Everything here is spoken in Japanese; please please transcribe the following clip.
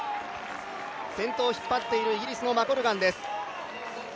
先頭を引っ張っているイギリスのマコルガンです。